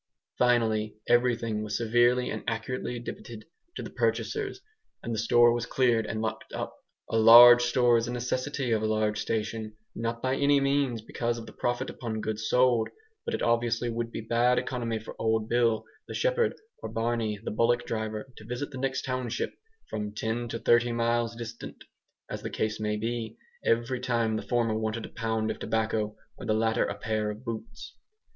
Finally, everything was severely and accurately debited to the purchasers, and the store was cleared and locked up. A large store is a necessity of a large station; not by any means because of the profit upon goods sold, but it obviously would be bad economy for old Bill, the shepherd, or Barney, the bullock driver, to visit the next township, from ten to thirty miles distant, as the case may be, every time the former wanted a pound of tobacco, or the latter a pair of boots.